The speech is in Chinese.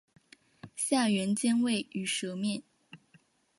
下原尖位于舌面。